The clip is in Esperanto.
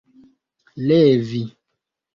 levi